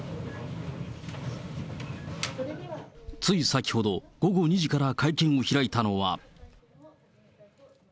つい先ほど、午後２時から会見を開いたのは。